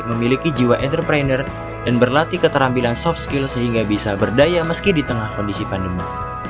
memiliki jiwa entrepreneur dan berlatih keterampilan soft skill sehingga bisa berdaya meski di tengah kondisi pandemi